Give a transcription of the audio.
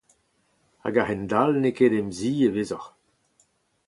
Hag a-hend-all n'eo ket em zi e vezot.